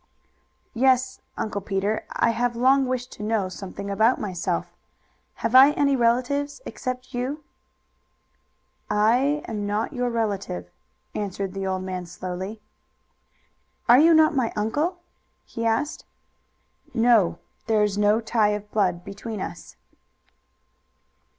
"Yes, Uncle Peter, I have long wished to know something about myself. Have I any relatives except you?" "I am not your relative," answered the old man slowly. "Are you not my uncle?" he asked. "No; there is no tie of blood between us."